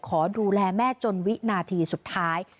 ขอดูแลแม่จนวินาทีสุดท้าย